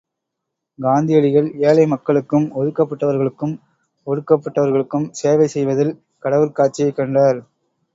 காந்தியடிகள் ஏழை மக்களுக்கும், ஒதுக்கப்பட்டவர்களுக்கும், ஒடுக்கப்பட்டவர்களுக்கும் சேவை செய்வதில் கடவுட் காட்சியைக் கண்டார்.